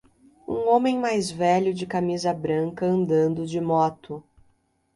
Um homem mais velho de camisa branca andando de moto.